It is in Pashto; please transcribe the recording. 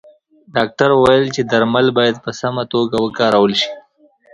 ډاکتر وویل چې درمل باید په سمه توګه وکارول شي.